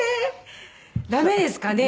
ダメですかね？